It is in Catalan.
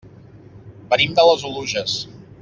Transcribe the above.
Venim de les Oluges.